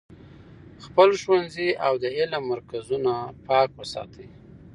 خپل ښوونځي او د علم مرکزونه پاک وساتئ.